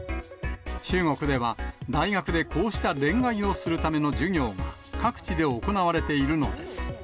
中国では、大学で、こうした恋愛をするための授業が各地で行われているのです。